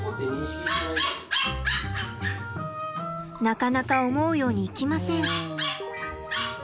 なかなか思うようにいきません。